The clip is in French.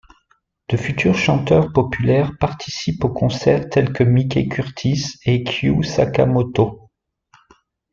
De futurs chanteurs populaires participent aux concerts tels que Mickey Curtis et Kyu Sakamoto.